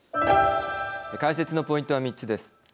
解説のポイントは３つです。